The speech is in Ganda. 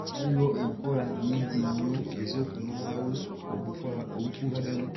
Waliwo enkola nnyingi nnyo ez'okumalawo obukuubagano.